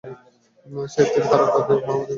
সে তিন তারকা পাওয়া একজন জেনারেল!